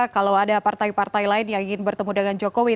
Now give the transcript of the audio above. kalau ada partai partai lain yang ingin bertemu dengan jokowi